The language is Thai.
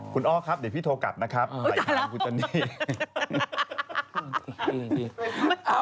คุณอ้อครับเดี๋ยวพี่โทรกลับนะครับใส่ทางคุณจันนี้อุ๊ยจันทร์แล้ว